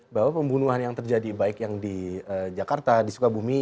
bahwa pembunuhan yang terjadi baik yang di jakarta di sukabumi